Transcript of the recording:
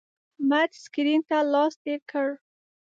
احمد سکرین ته لاس تیر کړ.